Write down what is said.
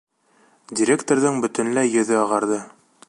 Директорҙың бөтөнләй йөҙө ағарҙы.